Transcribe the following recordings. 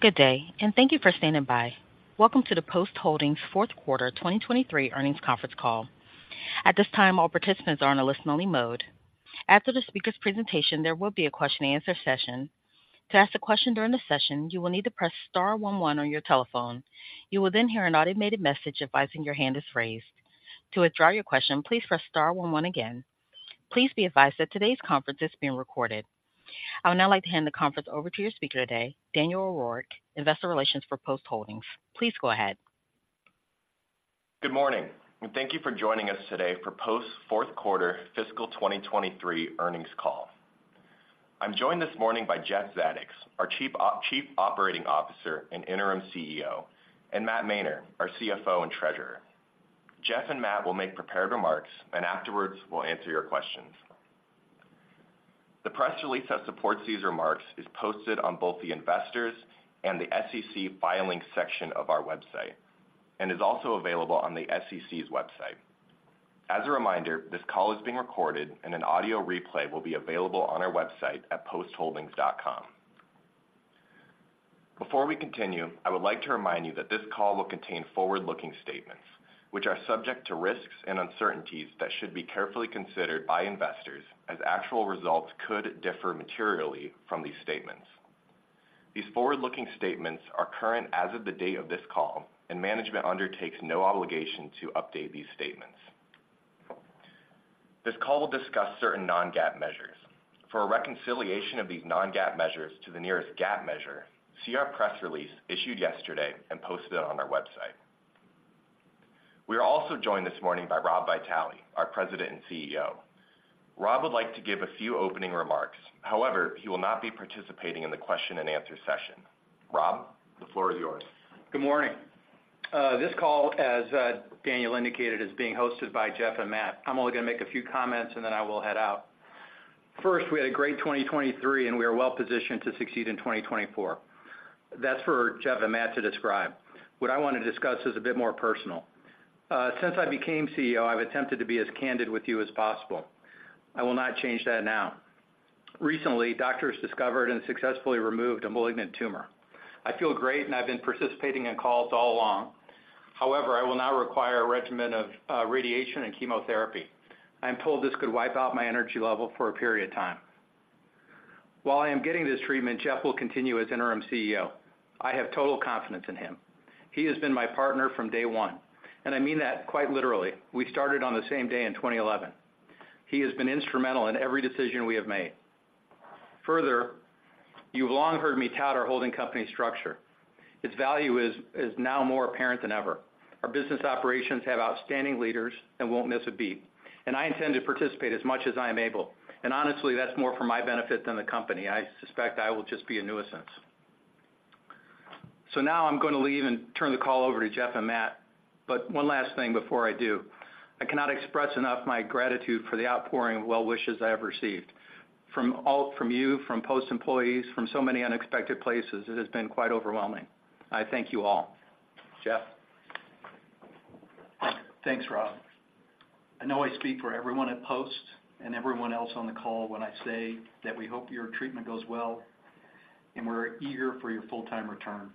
Good day, and thank you for standing by. Welcome to the Post Holdings fourth quarter 2023 earnings conference call. At this time, all participants are in a listen-only mode. After the speaker's presentation, there will be a question-and-answer session. To ask a question during the session, you will need to press star one one on your telephone. You will then hear an automated message advising your hand is raised. To withdraw your question, please press star one one again. Please be advised that today's conference is being recorded. I would now like to hand the conference over to your speaker today, Daniel O'Rourke, Investor Relations for Post Holdings. Please go ahead. Good morning, and thank you for joining us today for Post's fourth quarter fiscal 2023 earnings call. I'm joined this morning by Jeff Zadoks, our Chief Operating Officer and Interim CEO, and Matt Mainer, our CFO and Treasurer. Jeff and Matt will make prepared remarks, and afterwards, we'll answer your questions. The press release that supports these remarks is posted on both the Investors and the SEC Filings section of our website and is also available on the SEC's website. As a reminder, this call is being recorded, and an audio replay will be available on our website at postholdings.com. Before we continue, I would like to remind you that this call will contain forward-looking statements, which are subject to risks and uncertainties that should be carefully considered by investors, as actual results could differ materially from these statements. These forward-looking statements are current as of the date of this call, and management undertakes no obligation to update these statements. This call will discuss certain Non-GAAP measures. For a reconciliation of these Non-GAAP measures to the nearest GAAP measure, see our press release issued yesterday and posted on our website. We are also joined this morning by Rob Vitale, our President and CEO. Rob would like to give a few opening remarks. However, he will not be participating in the question-and-answer session. Rob, the floor is yours. Good morning. This call, as Daniel indicated, is being hosted by Jeff and Matt. I'm only going to make a few comments, and then I will head out. First, we had a great 2023, and we are well positioned to succeed in 2024. That's for Jeff and Matt to describe. What I want to discuss is a bit more personal. Since I became CEO, I've attempted to be as candid with you as possible. I will not change that now. Recently, doctors discovered and successfully removed a malignant tumor. I feel great, and I've been participating in calls all along. However, I will now require a regimen of radiation and chemotherapy. I'm told this could wipe out my energy level for a period of time. While I am getting this treatment, Jeff will continue as interim CEO. I have total confidence in him. He has been my partner from day one, and I mean that quite literally. We started on the same day in 2011. He has been instrumental in every decision we have made. Further, you've long heard me tout our holding company structure. Its value is now more apparent than ever. Our business operations have outstanding leaders and won't miss a beat, and I intend to participate as much as I am able, and honestly, that's more for my benefit than the company. I suspect I will just be a nuisance. So now I'm going to leave and turn the call over to Jeff and Matt, but one last thing before I do. I cannot express enough my gratitude for the outpouring of well wishes I have received from all, from you, from Post employees, from so many unexpected places. It has been quite overwhelming. I thank you all. Jeff? Thanks, Rob. I know I speak for everyone at Post and everyone else on the call when I say that we hope your treatment goes well, and we're eager for your full-time return.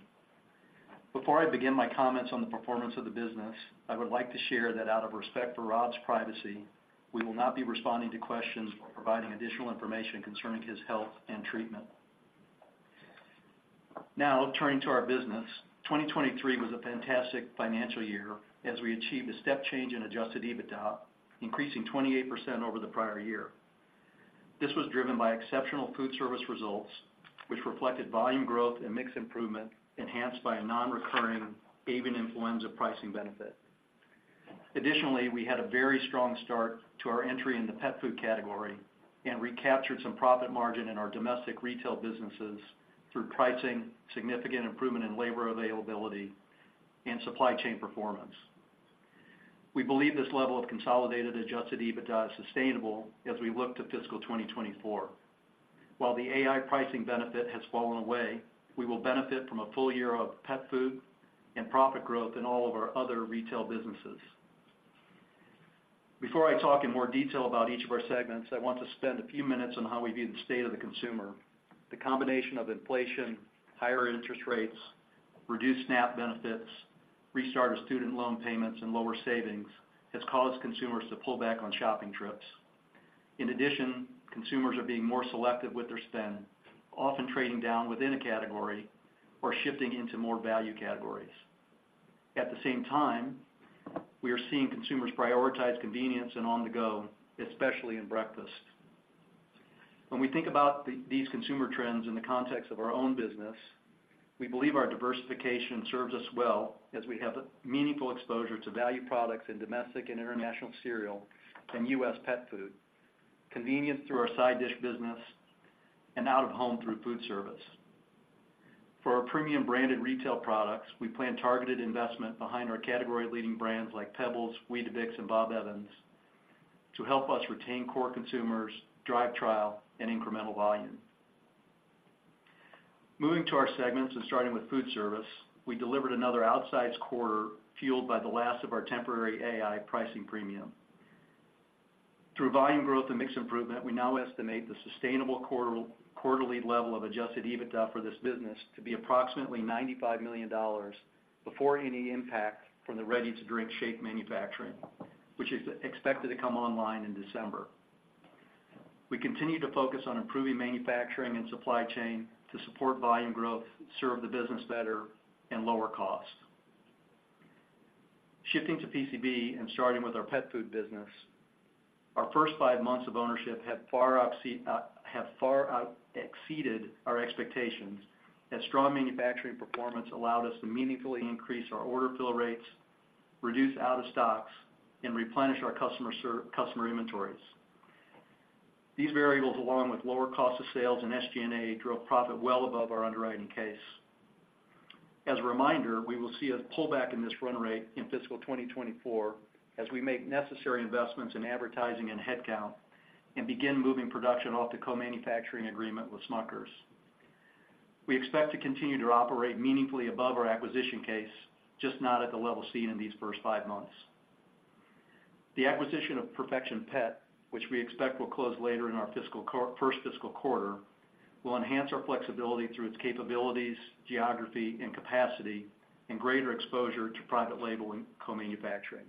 Before I begin my comments on the performance of the business, I would like to share that out of respect for Rob's privacy, we will not be responding to questions or providing additional information concerning his health and treatment. Now, turning to our business, 2023 was a fantastic financial year as we achieved a step change in Adjusted EBITDA, increasing 28% over the prior year. This was driven by exceptional foodservice results, which reflected volume growth and mix improvement, enhanced by a nonrecurring avian influenza pricing benefit. Additionally, we had a very strong start to our entry in the pet food category and recaptured some profit margin in our domestic retail businesses through pricing, significant improvement in labor availability, and supply chain performance. We believe this level of consolidated Adjusted EBITDA is sustainable as we look to fiscal 2024. While the AI pricing benefit has fallen away, we will benefit from a full year of pet food and profit growth in all of our other retail businesses. Before I talk in more detail about each of our segments, I want to spend a few minutes on how we view the state of the consumer. The combination of inflation, higher interest rates, reduced SNAP benefits, restart of student loan payments, and lower savings has caused consumers to pull back on shopping trips. In addition, consumers are being more selective with their spend, often trading down within a category or shifting into more value categories. At the same time, we are seeing consumers prioritize convenience and on the go, especially in breakfast. When we think about these consumer trends in the context of our own business, we believe our diversification serves us well as we have a meaningful exposure to value products in domestic and international cereal and US pet food, convenience through our side dish business, and out of home through food service. For our premium branded retail products, we plan targeted investment behind our category-leading brands like Pebbles, Weetabix, and Bob Evans to help us retain core consumers, drive trial, and incremental volume. Moving to our segments and starting with food service, we delivered another outsized quarter, fueled by the last of our temporary AI pricing premium. Through volume growth and mix improvement, we now estimate the sustainable quarterly level of Adjusted EBITDA for this business to be approximately $95 million before any impact from the ready-to-drink shake manufacturing, which is expected to come online in December. We continue to focus on improving manufacturing and supply chain to support volume growth, serve the business better, and lower costs. Shifting to PCB and starting with our pet food business, our first five months of ownership have far exceeded our expectations, as strong manufacturing performance allowed us to meaningfully increase our order fill rates, reduce out-of-stocks, and replenish our customer inventories. These variables, along with lower cost of sales and SG&A, drove profit well above our underwriting case. As a reminder, we will see a pullback in this run rate in fiscal 2024 as we make necessary investments in advertising and headcount and begin moving production off the co-manufacturing agreement with Smucker. We expect to continue to operate meaningfully above our acquisition case, just not at the level seen in these first five months. The acquisition of Perfection Pet, which we expect will close later in our first fiscal quarter, will enhance our flexibility through its capabilities, geography, and capacity, and greater exposure to private label and co-manufacturing.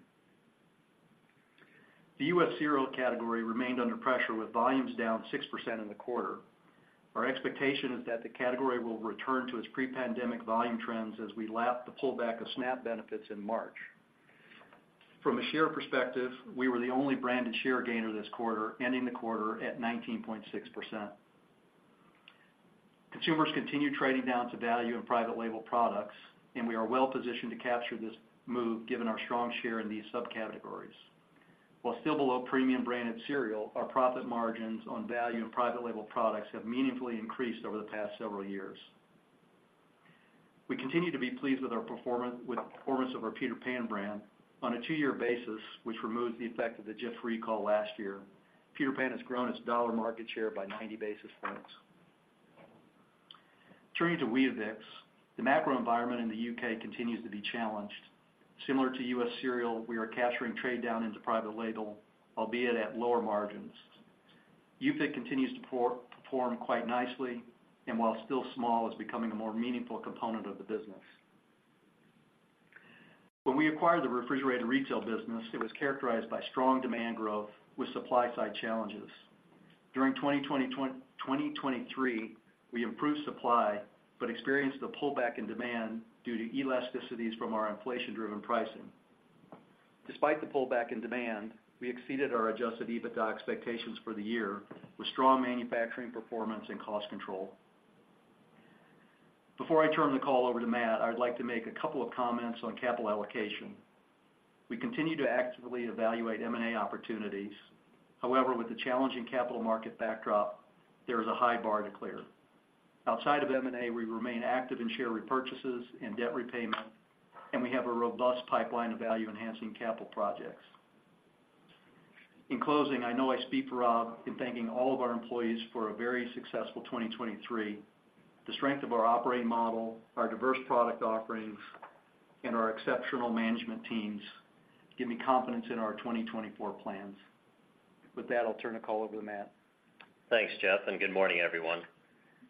The U.S. cereal category remained under pressure, with volumes down 6% in the quarter. Our expectation is that the category will return to its pre-pandemic volume trends as we lap the pullback of SNAP benefits in March. From a share perspective, we were the only branded share gainer this quarter, ending the quarter at 19.6%. Consumers continue trading down to value in private label products, and we are well positioned to capture this move given our strong share in these subcategories. While still below premium branded cereal, our profit margins on value and private label products have meaningfully increased over the past several years. We continue to be pleased with the performance of our Peter Pan brand on a two-year basis, which removes the effect of the Jif recall last year. Peter Pan has grown its dollar market share by 90 basis points. Turning to Weetabix, the macro environment in the U.K. continues to be challenged. Similar to U.S. cereal, we are capturing trade down into private label, albeit at lower margins. UFIT continues to perform quite nicely, and while still small, is becoming a more meaningful component of the business. When we acquired the refrigerated retail business, it was characterized by strong demand growth with supply-side challenges. During 2023, we improved supply but experienced a pullback in demand due to elasticities from our inflation-driven pricing. Despite the pullback in demand, we exceeded our Adjusted EBITDA expectations for the year with strong manufacturing performance and cost control. Before I turn the call over to Matt, I'd like to make a couple of comments on capital allocation. We continue to actively evaluate M&A opportunities. However, with the challenging capital market backdrop, there is a high bar to clear. Outside of M&A, we remain active in share repurchases and debt repayment, and we have a robust pipeline of value-enhancing capital projects. In closing, I know I speak for Rob in thanking all of our employees for a very successful 2023. The strength of our operating model, our diverse product offerings, and our exceptional management teams give me confidence in our 2024 plans. With that, I'll turn the call over to Matt. Thanks, Jeff, and good morning, everyone.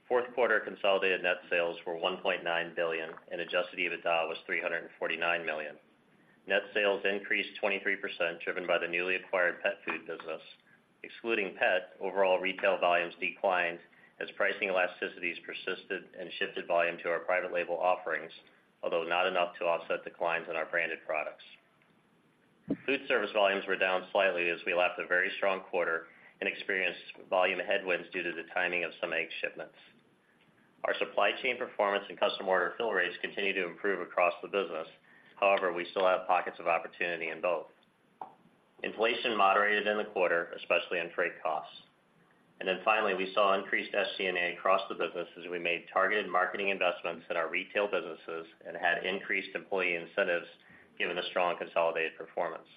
Fourth quarter consolidated net sales were $1.9 billion, and Adjusted EBITDA was $349 million. Net sales increased 23%, driven by the newly acquired pet food business. Excluding pet, overall retail volumes declined as pricing elasticities persisted and shifted volume to our private label offerings, although not enough to offset declines in our branded products. Foodservice volumes were down slightly as we lapped a very strong quarter and experienced volume headwinds due to the timing of some egg shipments. Our supply chain performance and custom order fill rates continue to improve across the business. However, we still have pockets of opportunity in both. Inflation moderated in the quarter, especially on freight costs. And then finally, we saw increased SG&A across the business as we made targeted marketing investments in our retail businesses and had increased employee incentives given the strong consolidated performance.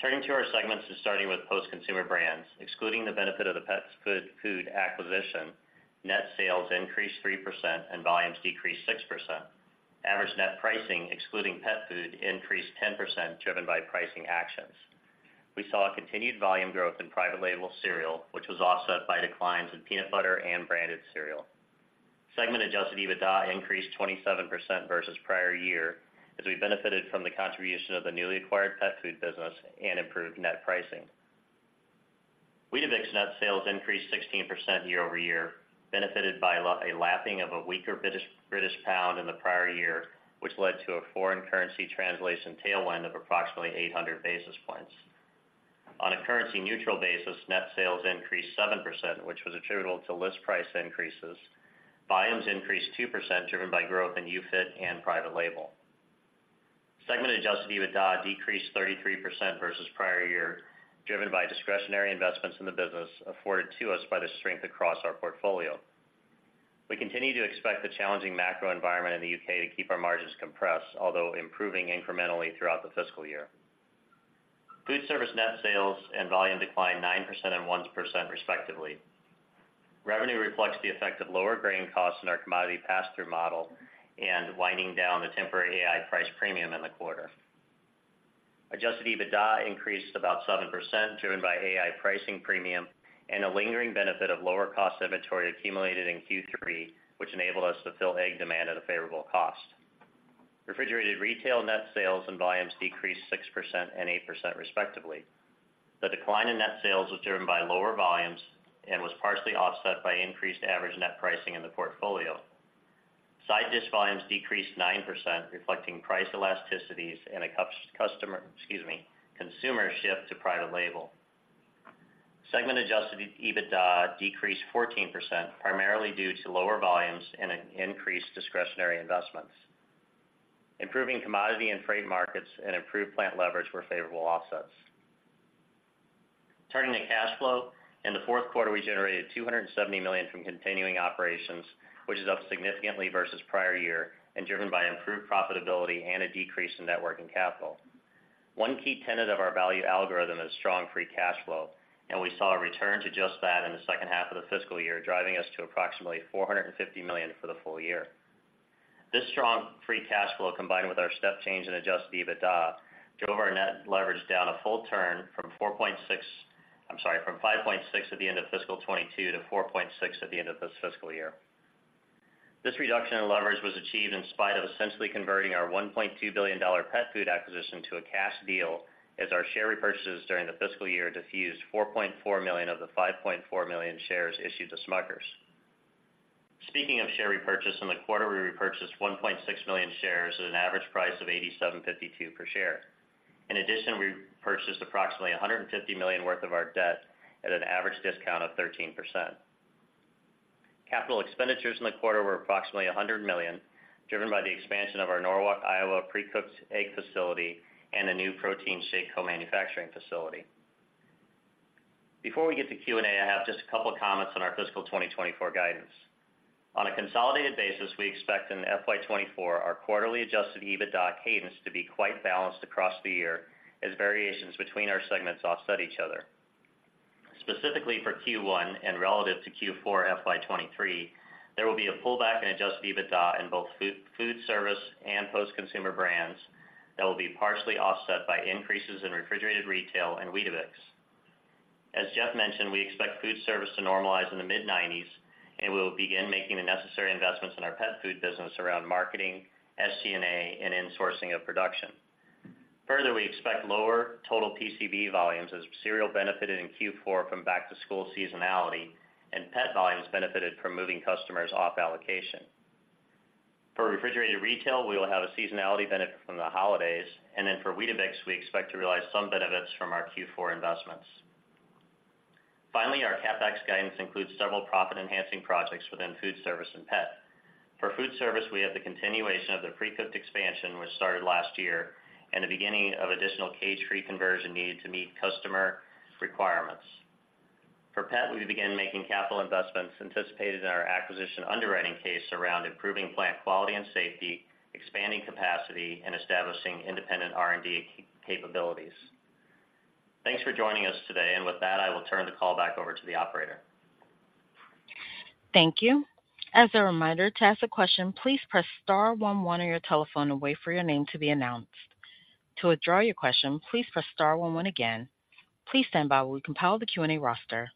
Turning to our segments and starting with Post Consumer Brands. Excluding the benefit of the pet food acquisition, net sales increased 3% and volumes decreased 6%. Average net pricing, excluding pet food, increased 10%, driven by pricing actions. We saw a continued volume growth in private label cereal, which was offset by declines in peanut butter and branded cereal. Segment adjusted EBITDA increased 27% versus prior year as we benefited from the contribution of the newly acquired pet food business and improved net pricing. Weetabix net sales increased 16% year-over-year, benefited by lapping of a weaker British pound in the prior year, which led to a foreign currency translation tailwind of approximately 800 basis points. On a currency-neutral basis, net sales increased 7%, which was attributable to list price increases. Volumes increased 2%, driven by growth in UFIT and private label. Segment Adjusted EBITDA decreased 33% versus prior year, driven by discretionary investments in the business afforded to us by the strength across our portfolio. We continue to expect the challenging macro environment in the U.K. to keep our margins compressed, although improving incrementally throughout the fiscal year. Foodservice net sales and volume declined 9% and 1% respectively. Revenue reflects the effect of lower grain costs in our commodity pass-through model and winding down the temporary AI price premium in the quarter. Adjusted EBITDA increased about 7%, driven by AI pricing premium and a lingering benefit of lower cost inventory accumulated in Q3, which enabled us to fill egg demand at a favorable cost. Refrigerated retail net sales and volumes decreased 6% and 8% respectively. The decline in net sales was driven by lower volumes and was partially offset by increased average net pricing in the portfolio. Side dish volumes decreased 9%, reflecting price elasticities and a customer, excuse me, consumer shift to private label. Segment adjusted EBITDA decreased 14%, primarily due to lower volumes and an increased discretionary investments. Improving commodity and freight markets and improved plant leverage were favorable offsets. Turning to cash flow, in the fourth quarter, we generated $270 million from continuing operations, which is up significantly versus prior year and driven by improved profitability and a decrease in net working capital. One key tenet of our value algorithm is strong free cash flow, and we saw a return to just that in the second half of the fiscal year, driving us to approximately $450 million for the full year. This strong free cash flow, combined with our step change in Adjusted EBITDA, drove our net leverage down a full turn from 4.6x, I'm sorry, from 5.6x at the end of fiscal 2022 to 4.6x at the end of this fiscal year. This reduction in leverage was achieved in spite of essentially converting our $1.2 billion pet food acquisition to a cash deal, as our share repurchases during the fiscal year diffused 4.4 million of the 5.4 million shares issued to Smucker. Speaking of share repurchase, in the quarter, we repurchased 1.6 million shares at an average price of $87.52 per share. In addition, we purchased approximately $150 million worth of our debt at an average discount of 13%. Capital expenditures in the quarter were approximately $100 million, driven by the expansion of our Norwalk, Iowa, pre-cooked egg facility and a new protein shake co-manufacturing facility. Before we get to Q&A, I have just a couple of comments on our fiscal 2024 guidance. On a consolidated basis, we expect in FY 2024 our quarterly Adjusted EBITDA cadence to be quite balanced across the year as variations between our segments offset each other. Specifically for Q1 and relative to Q4 FY 2023, there will be a pullback in Adjusted EBITDA in both Foodservice and Post Consumer Brands that will be partially offset by increases in refrigerated retail and Weetabix. As Jeff mentioned, we expect Foodservice to normalize in the mid-90s, and we will begin making the necessary investments in our pet food business around marketing, SG&A and insourcing of production. Further, we expect lower total PCB volumes as cereal benefited in Q4 from back-to-school seasonality and pet volumes benefited from moving customers off allocation. For refrigerated retail, we will have a seasonality benefit from the holidays, and then for Weetabix, we expect to realize some benefits from our Q4 investments. Finally, our CapEx guidance includes several profit-enhancing projects within foodservice and pet. For foodservice, we have the continuation of the pre-cooked expansion, which started last year, and the beginning of additional cage-free conversion needed to meet customer requirements. For pet, we began making capital investments anticipated in our acquisition underwriting case around improving plant quality and safety, expanding capacity, and establishing independent R&D capabilities. Thanks for joining us today. With that, I will turn the call back over to the operator. Thank you. As a reminder, to ask a question, please press star one one on your telephone and wait for your name to be announced. To withdraw your question, please press star one one again. Please stand by while we compile the Q&A roster.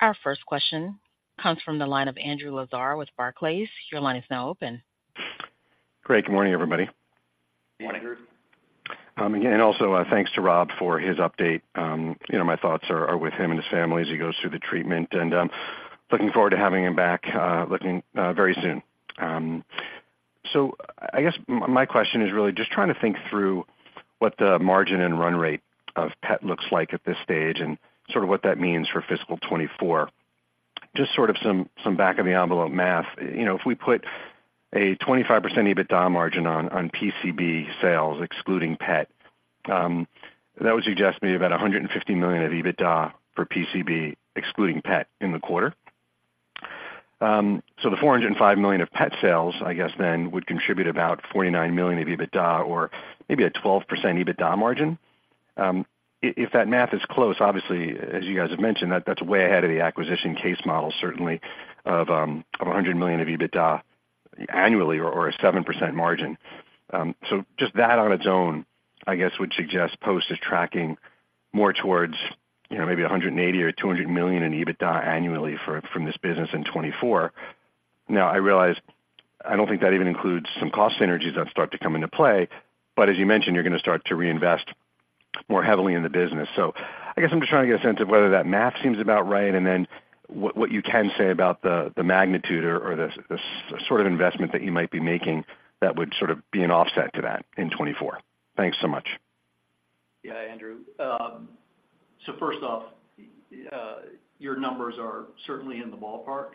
Our first question comes from the line of Andrew Lazar with Barclays. Your line is now open. Great. Good morning, everybody. Good morning, Andrew. Again, and also, thanks to Rob for his update. You know, my thoughts are with him and his family as he goes through the treatment, and looking forward to having him back, very soon. So I guess my question is really just trying to think through what the margin and run rate of pet looks like at this stage and sort of what that means for fiscal 2024. Just sort of some back of the envelope math. You know, if we put a 25% EBITDA margin on PCB sales, excluding pet, that would suggest maybe about 150 million of EBITDA for PCB, excluding pet, in the quarter. So the $405 million of pet sales, I guess then would contribute about $49 million of EBITDA or maybe a 12% EBITDA margin. If that math is close, obviously, as you guys have mentioned, that's way ahead of the acquisition case model, certainly of a $100 million of EBITDA annually or a 7% margin. So just that on its own, I guess, would suggest Post is tracking more towards, you know, maybe $180 million or $200 million in EBITDA annually from this business in 2024. Now, I realize I don't think that even includes some cost synergies that start to come into play, but as you mentioned, you're going to start to reinvest more heavily in the business. So, I guess I'm just trying to get a sense of whether that math seems about right, and then what you can say about the magnitude or the sort of investment that you might be making that would sort of be an offset to that in 2024. Thanks so much. Yeah, Andrew. So first off, your numbers are certainly in the ballpark.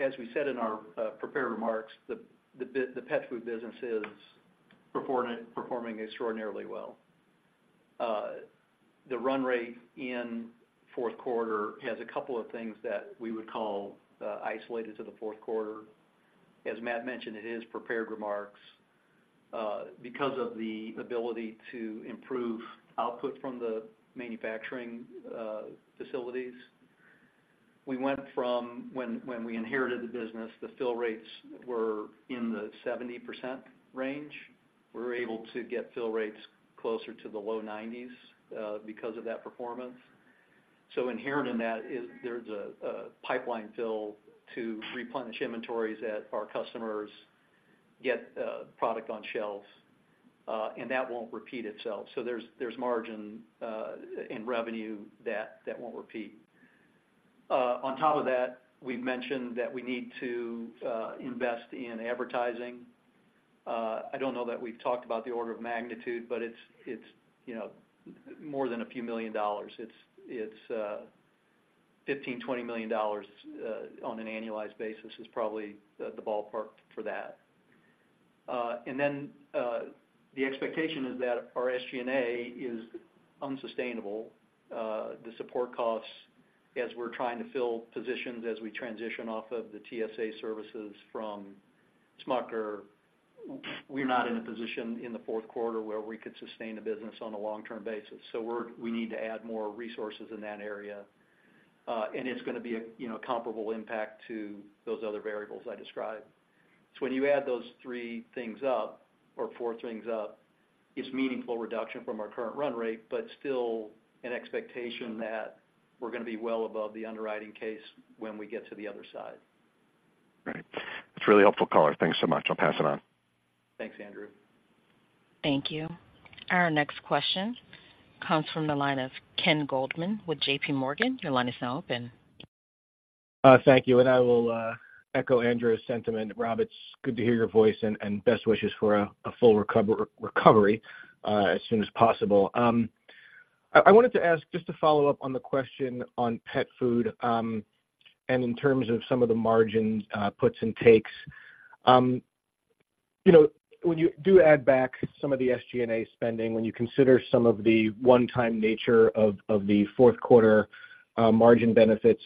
As we said in our prepared remarks, the pet food business is performing extraordinarily well. The run rate in fourth quarter has a couple of things that we would call isolated to the fourth quarter.... as Matt mentioned in his prepared remarks, because of the ability to improve output from the manufacturing facilities, we went from when we inherited the business, the fill rates were in the 70% range. We were able to get fill rates closer to the low 90s, because of that performance. So inherent in that is there's a pipeline fill to replenish inventories that our customers get product on shelves, and that won't repeat itself. So there's margin in revenue that won't repeat. On top of that, we've mentioned that we need to invest in advertising. I don't know that we've talked about the order of magnitude, but it's you know, more than $ a few million. It's $15 million-$20 million on an annualized basis is probably the ballpark for that. And then, the expectation is that our SG&A is unsustainable. The support costs as we're trying to fill positions as we transition off of the TSA services from Smucker, we're not in a position in the fourth quarter where we could sustain a business on a long-term basis. So, we need to add more resources in that area, and it's gonna be a, you know, comparable impact to those other variables I described. So when you add those three things up or four things up, it's meaningful reduction from our current run rate, but still an expectation that we're gonna be well above the underwriting case when we get to the other side. Right. It's a really helpful call. Thanks so much. I'll pass it on. Thanks, Andrew. Thank you. Our next question comes from the line of Ken Goldman with JP Morgan. Your line is now open. Thank you, and I will echo Andrew's sentiment. Rob, it's good to hear your voice and best wishes for a full recovery as soon as possible. I wanted to ask, just to follow up on the question on pet food, and in terms of some of the margin puts and takes. You know, when you do add back some of the SG&A spending, when you consider some of the one-time nature of the fourth quarter margin benefits,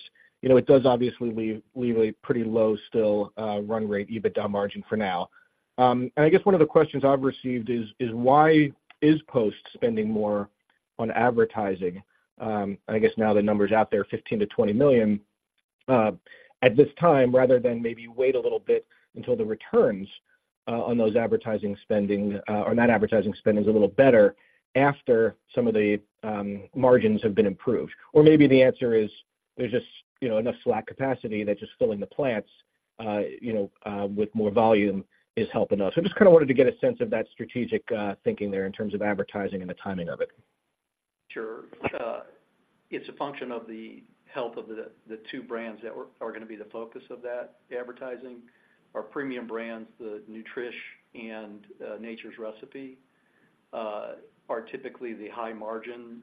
you know, it does obviously leave a pretty low still run rate EBITDA margin for now. And I guess one of the questions I've received is why is Post spending more on advertising? I guess now the number's out there, $15 million-$20 million, at this time, rather than maybe wait a little bit until the returns on those advertising spending or that advertising spend is a little better after some of the margins have been improved? Or maybe the answer is there's just, you know, enough slack capacity that just filling the plants, you know, with more volume is helping us. I just kind of wanted to get a sense of that strategic thinking there in terms of advertising and the timing of it. Sure. It's a function of the health of the two brands that we're gonna be the focus of that advertising. Our premium brands, the Nutrish and Nature's Recipe, are typically the high margin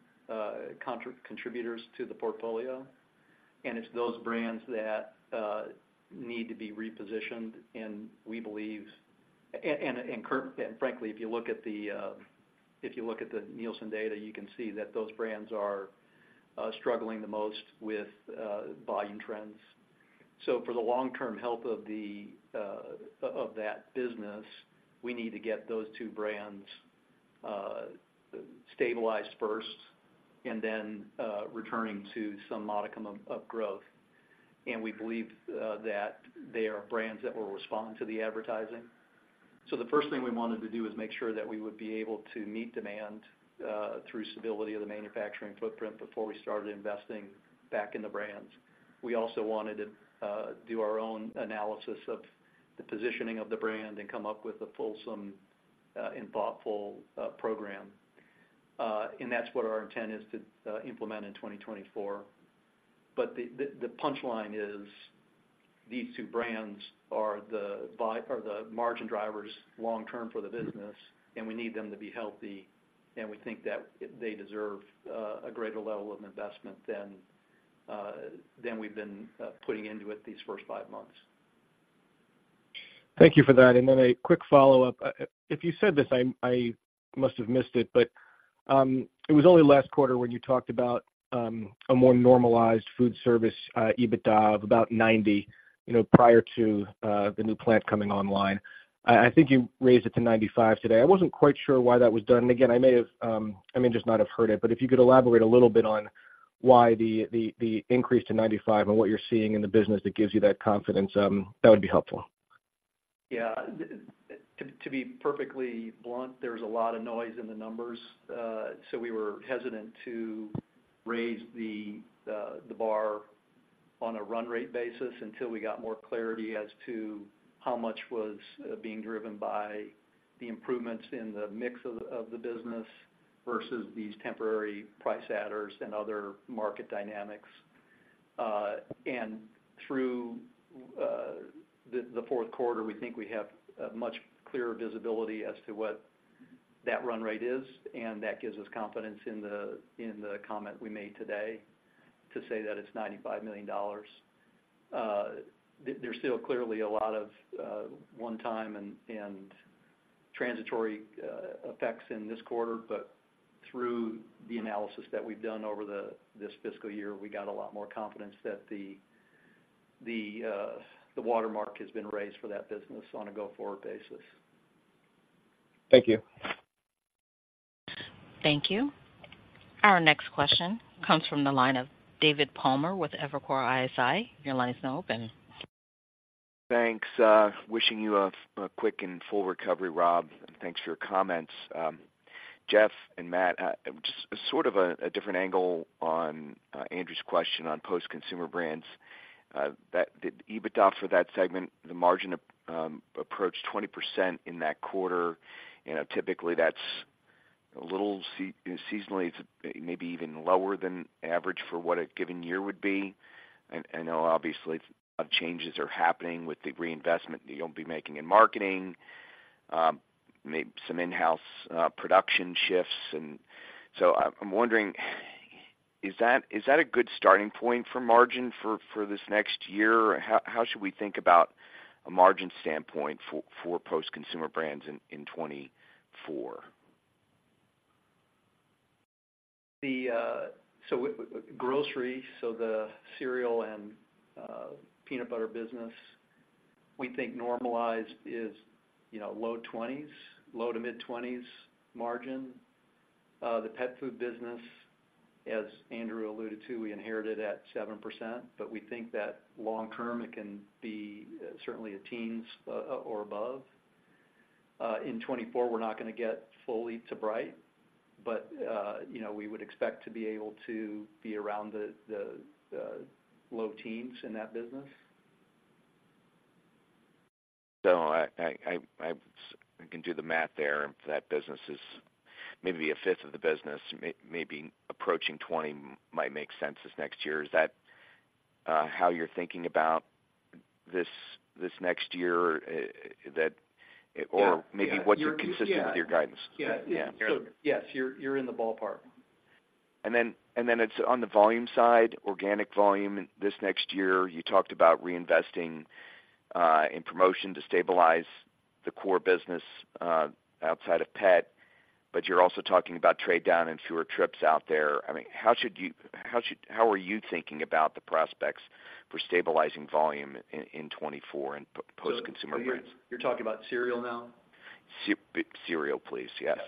contributors to the portfolio, and it's those brands that need to be repositioned, and we believe... And frankly, if you look at the Nielsen data, you can see that those brands are struggling the most with volume trends. So for the long-term health of that business, we need to get those two brands stabilized first and then returning to some modicum of growth. And we believe that they are brands that will respond to the advertising. So the first thing we wanted to do is make sure that we would be able to meet demand through stability of the manufacturing footprint before we started investing back in the brands. We also wanted to do our own analysis of the positioning of the brand and come up with a fulsome and thoughtful program. And that's what our intent is to implement in 2024. But the punchline is, these two brands are the margin drivers long term for the business, and we need them to be healthy, and we think that they deserve a greater level of investment than we've been putting into it these first five months. Thank you for that. Then a quick follow-up. If you said this, I must have missed it, but it was only last quarter when you talked about a more normalized foodservice EBITDA of about $90, you know, prior to the new plant coming online. I think you raised it to $95 today. I wasn't quite sure why that was done. And again, I may have, I may just not have heard it, but if you could elaborate a little bit on why the increase to $95 and what you're seeing in the business that gives you that confidence, that would be helpful. Yeah. To be perfectly blunt, there's a lot of noise in the numbers. So we were hesitant to raise the bar on a run rate basis until we got more clarity as to how much was being driven by the improvements in the mix of the business versus these temporary price adders and other market dynamics. And through the fourth quarter, we think we have a much clearer visibility as to what that run rate is, and that gives us confidence in the comment we made today to say that it's $95 million. There's still clearly a lot of one time and... Transitory effects in this quarter, but through the analysis that we've done over this fiscal year, we got a lot more confidence that the watermark has been raised for that business on a go-forward basis. Thank you. Thank you. Our next question comes from the line of David Palmer with Evercore ISI. Your line is now open. Thanks. Wishing you a quick and full recovery, Rob, and thanks for your comments. Jeff and Matt, just sort of a different angle on Andrew's question on Post Consumer Brands. That the EBITDA for that segment, the margin, approached 20% in that quarter. You know, typically that's a little seasonally, it's maybe even lower than average for what a given year would be. I know, obviously, a lot of changes are happening with the reinvestment that you'll be making in marketing, maybe some in-house production shifts. So I'm wondering, is that a good starting point for margin for this next year? How should we think about a margin standpoint for Post Consumer Brands in 2024? So with grocery, so the cereal and peanut butter business, we think normalized is, you know, low 20s, low-to-mid-20s margin. The pet food business, as Andrew alluded to, we inherited at 7%, but we think that long term, it can be certainly the teens or above. In 2024, we're not gonna get fully to right, but you know, we would expect to be able to be around the low 10s in that business. So I can do the math there. If that business is maybe a fifth of the business, maybe approaching 20 might make sense this next year. Is that how you're thinking about this next year, that- Yeah. Or maybe what you're consistent with your guidance? Yeah. Yeah. So yes, you're in the ballpark. And then it's on the volume side, organic volume this next year, you talked about reinvesting in promotion to stabilize the core business outside of pet, but you're also talking about trade down and fewer trips out there. I mean, how are you thinking about the prospects for stabilizing volume in 2024 in Post Consumer Brands? You're talking about cereal now? Cereal, please. Yes.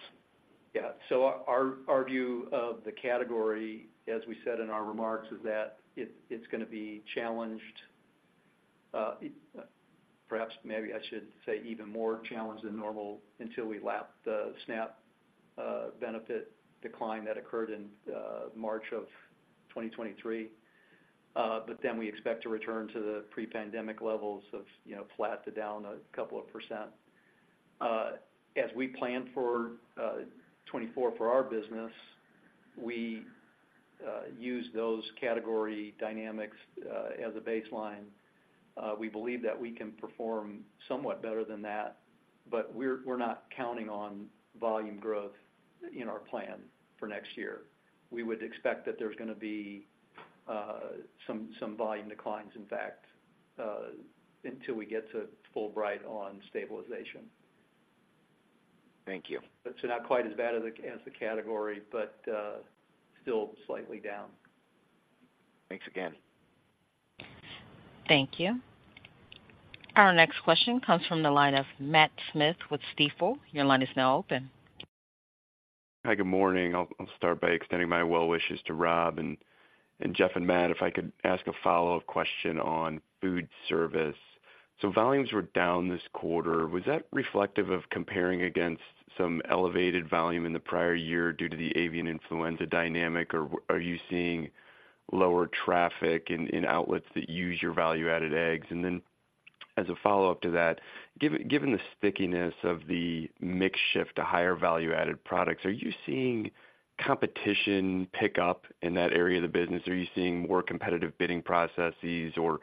Yeah. So our view of the category, as we said in our remarks, is that it's gonna be challenged, perhaps, maybe I should say, even more challenged than normal until we lap the SNAP benefit decline that occurred in March of 2023. But then we expect to return to the pre-pandemic levels of, you know, flat to down 2%. As we plan for 2024 for our business, we use those category dynamics as a baseline. We believe that we can perform somewhat better than that, but we're not counting on volume growth in our plan for next year. We would expect that there's gonna be some volume declines, in fact, until we get to full pricing stabilization. Thank you. Not quite as bad as the, as the category, but still slightly down. Thanks again. Thank you. Our next question comes from the line of Matt Smith with Stifel. Your line is now open. Hi, good morning. I'll start by extending my well wishes to Rob and Jeff and Matt. If I could ask a follow-up question on foodservice. So volumes were down this quarter. Was that reflective of comparing against some elevated volume in the prior year due to the Avian Influenza dynamic, or are you seeing lower traffic in outlets that use your value-added eggs? And then, as a follow-up to that, given the stickiness of the mix shift to higher value-added products, are you seeing competition pick up in that area of the business? Are you seeing more competitive bidding processes or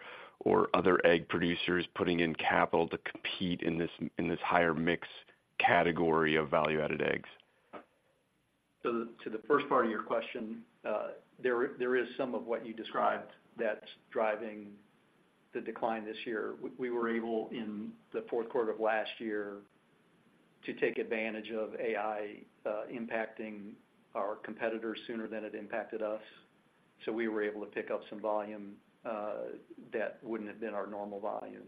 other egg producers putting in capital to compete in this higher mix category of value-added eggs? So to the first part of your question, there is some of what you described that's driving the decline this year. We were able, in the fourth quarter of last year, to take advantage of AI impacting our competitors sooner than it impacted us. So we were able to pick up some volume that wouldn't have been our normal volume.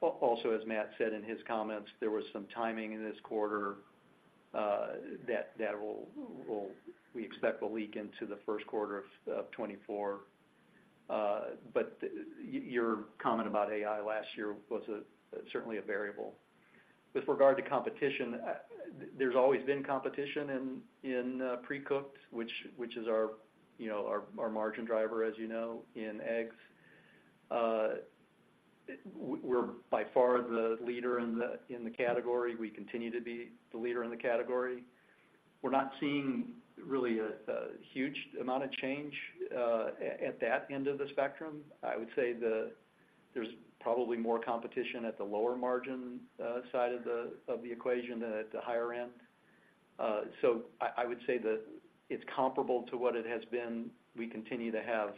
Also, as Matt said in his comments, there was some timing in this quarter that will... we expect will leak into the first quarter of 2024. But your comment about AI last year was certainly a variable. With regard to competition, there's always been competition in pre-cooked, which is our, you know, our margin driver, as you know, in eggs. We're by far the leader in the, in the category. We continue to be the leader in the category. We're not seeing really a, a huge amount of change at that end of the spectrum. I would say there's probably more competition at the lower margin side of the equation than at the higher end. So I would say that it's comparable to what it has been. We continue to have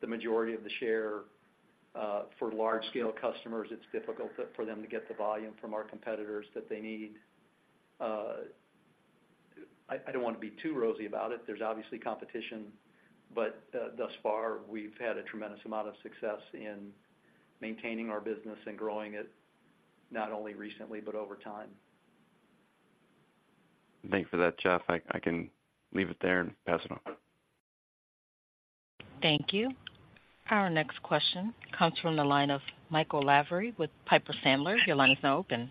the majority of the share. For large scale customers, it's difficult for them to get the volume from our competitors that they need. I don't wanna be too rosy about it. There's obviously competition, but thus far, we've had a tremendous amount of success in maintaining our business and growing it, not only recently, but over time. Thanks for that, Jeff. I can leave it there and pass it on. Thank you. Our next question comes from the line of Michael Lavery with Piper Sandler. Your line is now open.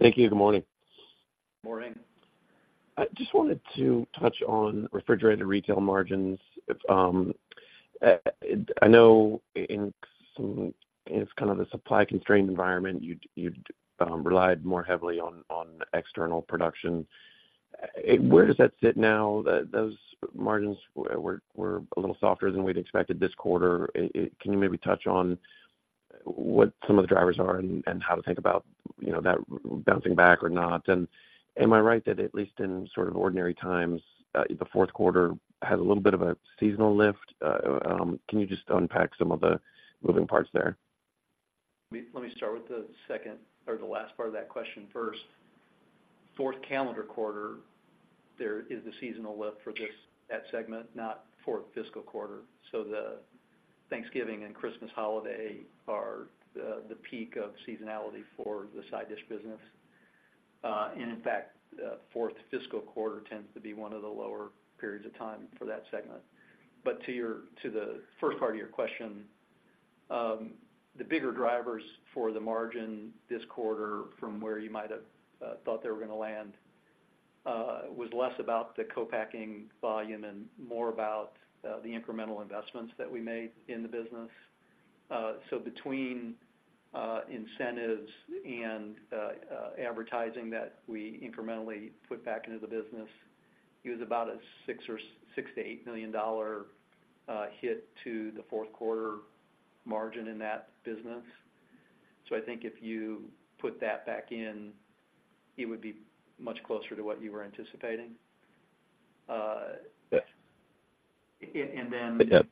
Thank you. Good morning. Morning. I just wanted to touch on refrigerated retail margins. I know in some, it's kind of the supply-constrained environment, you'd relied more heavily on external production. Where does that sit now? Those margins were a little softer than we'd expected this quarter. Can you maybe touch on what some of the drivers are and how to think about, you know, that bouncing back or not? And am I right that at least in sort of ordinary times, the fourth quarter has a little bit of a seasonal lift? Can you just unpack some of the moving parts there? Let me start with the second or the last part of that question first. Fourth calendar quarter, there is a seasonal lift for this, that segment, not fourth fiscal quarter. So the Thanksgiving and Christmas holiday are the peak of seasonality for the side dish business. And in fact, fourth fiscal quarter tends to be one of the lower periods of time for that segment. But to your—to the first part of your question, the bigger drivers for the margin this quarter from where you might have thought they were gonna land was less about the co-packing volume and more about the incremental investments that we made in the business. So between incentives and advertising that we incrementally put back into the business, it was about a $6 million or $6 million-$8 million-dollar hit to the fourth quarter margin in that business. So I think if you put that back in, it would be much closer to what you were anticipating. Yes. And then- Yes.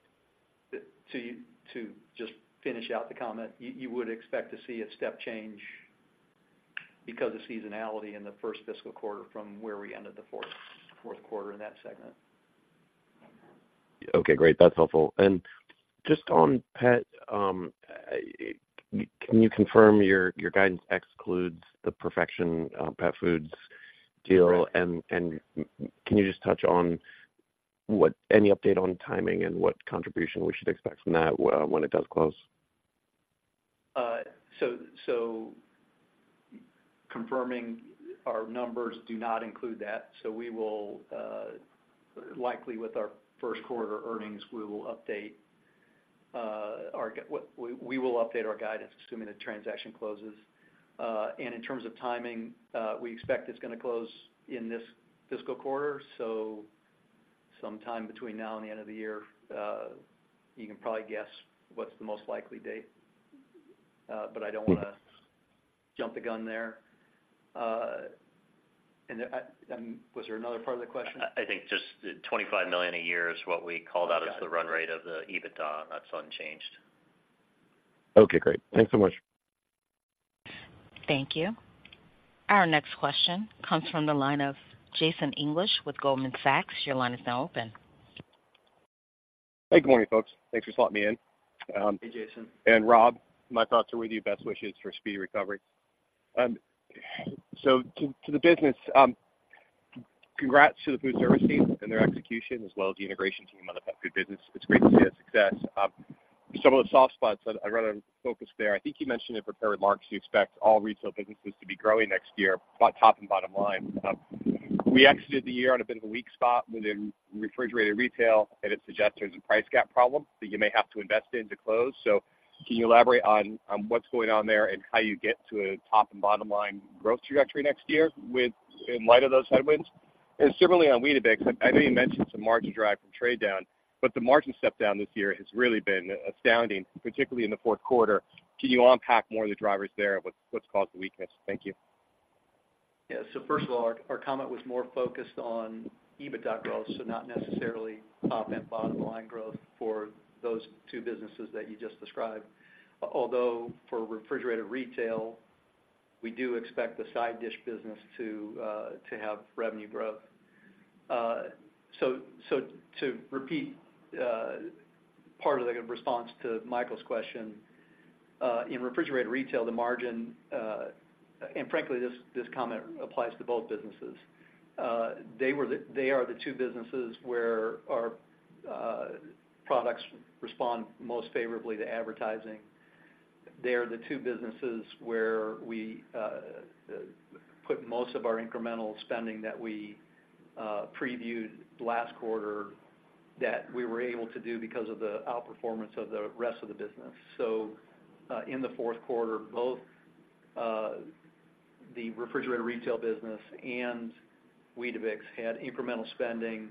To just finish out the comment, you would expect to see a step change because of seasonality in the first fiscal quarter from where we ended the fourth quarter in that segment. Okay, great. That's helpful. And just on pet, can you confirm your guidance excludes the Perfection Pet Foods deal? Right. Can you just touch on what, any update on timing and what contribution we should expect from that when it does close? So, confirming our numbers do not include that. So we will likely with our first quarter earnings, we will update our guidance, assuming the transaction closes. And in terms of timing, we expect it's gonna close in this fiscal quarter, so sometime between now and the end of the year. You can probably guess what's the most likely date, but I don't wanna jump the gun there. And was there another part of the question? I think just $25 million a year is what we called out- Got it. -as the run rate of the EBITDA, and that's unchanged. Okay, great. Thanks so much. Thank you. Our next question comes from the line of Jason English with Goldman Sachs. Your line is now open. Hey, good morning, folks. Thanks for slotting me in. Hey, Jason. Rob, my thoughts are with you. Best wishes for a speedy recovery. So to the business, congrats to the food service team and their execution, as well as the integration team on the pet food business. It's great to see that success. Some of the soft spots, I'd rather focus there. I think you mentioned in prepared remarks, you expect all retail businesses to be growing next year, by top and bottom line. We exited the year on a bit of a weak spot within refrigerated retail, and it suggests there's a price gap problem that you may have to invest in to close. So can you elaborate on what's going on there and how you get to a top and bottom line growth trajectory next year with in light of those headwinds? And similarly, on Weetabix, I know you mentioned some margin drag from trade down, but the margin step down this year has really been astounding, particularly in the fourth quarter. Can you unpack more of the drivers there? What's caused the weakness? Thank you. Yeah. So first of all, our comment was more focused on EBITDA growth, so not necessarily top and bottom line growth for those two businesses that you just described. Although, for refrigerated retail, we do expect the side dish business to have revenue growth. So to repeat, part of the response to Michael's question, in refrigerated retail, the margin, and frankly, this comment applies to both businesses. They are the two businesses where our products respond most favorably to advertising. They are the two businesses where we put most of our incremental spending that we previewed last quarter, that we were able to do because of the outperformance of the rest of the business. So, in the fourth quarter, both the refrigerated retail business and Weetabix had incremental spending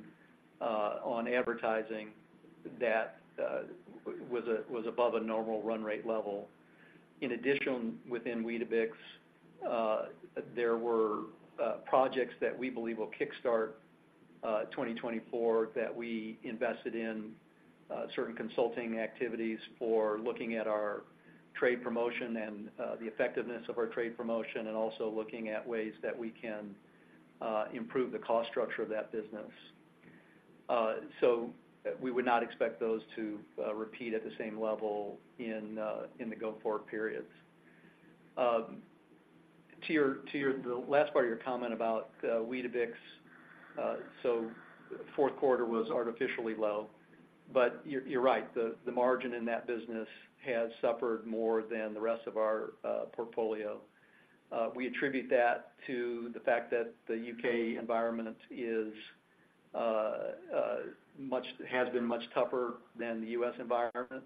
on advertising that was above a normal run rate level. In addition, within Weetabix, there were projects that we believe will kickstart 2024, that we invested in certain consulting activities for looking at our trade promotion and the effectiveness of our trade promotion, and also looking at ways that we can improve the cost structure of that business. So we would not expect those to repeat at the same level in the go-forward periods. To your—the last part of your comment about Weetabix, so fourth quarter was artificially low, but you're right, the margin in that business has suffered more than the rest of our portfolio. We attribute that to the fact that the U.K. environment is much—has been much tougher than the U.S. environment,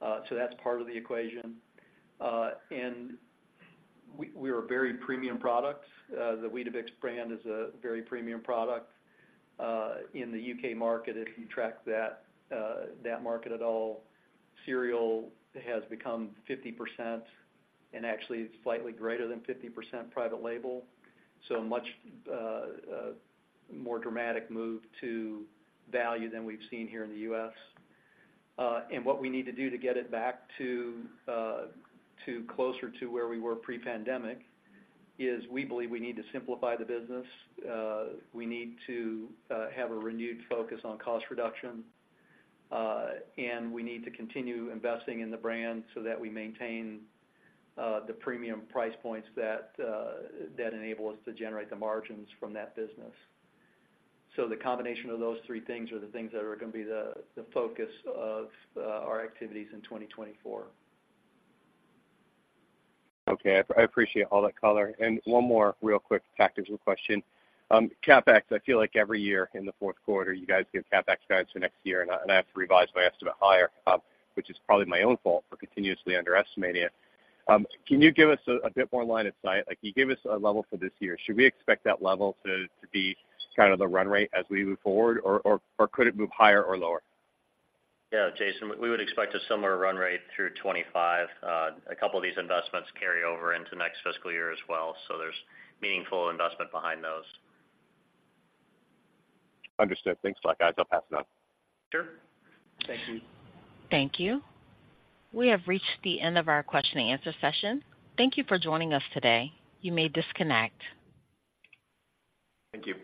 so that's part of the equation. And we are a very premium product. The Weetabix brand is a very premium product in the U.K. market. If you track that market at all, cereal has become 50%, and actually it's slightly greater than 50% private label, so a much more dramatic move to value than we've seen here in the U.S. And what we need to do to get it back to closer to where we were pre-pandemic is, we believe we need to simplify the business, we need to have a renewed focus on cost reduction, and we need to continue investing in the brand so that we maintain the premium price points that that enable us to generate the margins from that business. So the combination of those three things are the things that are going to be the focus of our activities in 2024. Okay, I appreciate all that color. And one more real quick tactical question. CapEx, I feel like every year in the fourth quarter, you guys give CapEx guidance for next year, and I have to revise my estimate higher, which is probably my own fault for continuously underestimating it. Can you give us a bit more line of sight? Like, can you give us a level for this year? Should we expect that level to be kind of the run rate as we move forward, or could it move higher or lower? Yeah, Jason, we would expect a similar run rate through 2025. A couple of these investments carry over into next fiscal year as well, so there's meaningful investment behind those. Understood. Thanks a lot, guys. I'll pass it on. Sure. Thank you. Thank you. We have reached the end of our question and answer session. Thank you for joining us today. You may disconnect. Thank you.